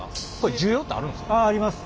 需要ってあるんですか？